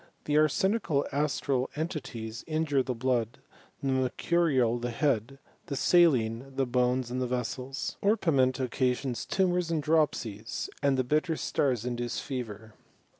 The arsenicsil astral entities injure the blood, the mer« cuiial the head, the saline the bones and the vessels. Orpiment occasions tumours and dropsies, and the Intter stars induce fever.